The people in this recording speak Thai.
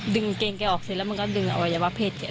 กางเกงแกออกเสร็จแล้วมันก็ดึงอวัยวะเพศแก